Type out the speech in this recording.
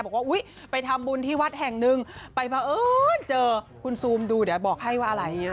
อุ๊ยไปทำบุญที่วัดแห่งหนึ่งไปบังเอิญเจอคุณซูมดูเดี๋ยวบอกให้ว่าอะไร